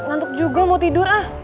ngantuk juga mau tidur ah